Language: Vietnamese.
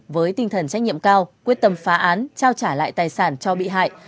với tinh thần trách nhiệm cao quyết tâm phá án trao trả lại tài sản cho bị hại